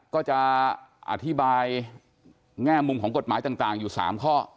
ก็จะอธิบายแง่มุมของกฎหมายต่างอยู่๓ข้อ